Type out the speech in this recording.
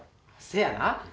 せやな。